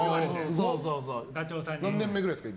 何年目くらいですか？